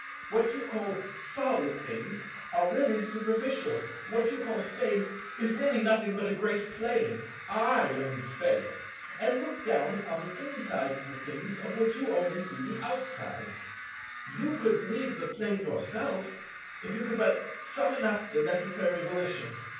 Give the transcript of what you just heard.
What you call Solid things are really superficial; what you call Space is really nothing but a great Plane. I am in Space, and look down upon the insides of the things of which you only see the outsides. You could leave the Plane yourself, if you could but summon up the necessary volition.